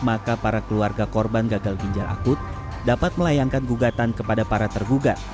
maka para keluarga korban gagal ginjal akut dapat melayangkan gugatan kepada para tergugat